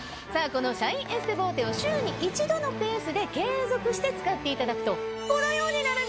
このシャインエステボーテを週に１度のペースで継続して使っていただくとこのようになるんです。